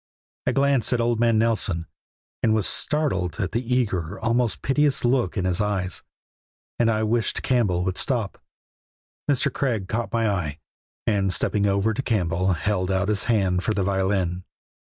I glanced at old man Nelson, and was startled at the eager, almost piteous look in his eyes, and I wished Campbell would stop. Mr. Craig caught my eye, and stepping over to Campbell held out his hand for the violin.